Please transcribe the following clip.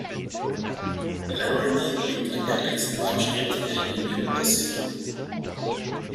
Laramie liegt an der Eisenbahnstrecke der Union Pacific.